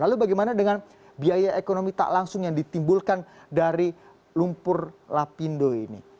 lalu bagaimana dengan biaya ekonomi tak langsung yang ditimbulkan dari lumpur lapindo ini